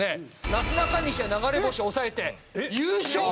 なすなかにしや流れ星☆を抑えて優勝！